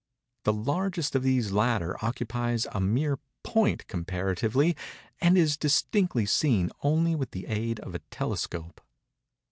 The largest of these latter occupies a mere point, comparatively, and is distinctly seen only with the aid of a telescope.